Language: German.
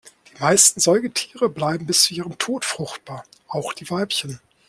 Die meisten Säugetiere bleiben bis zu ihrem Tod fruchtbar, auch die Weibchen.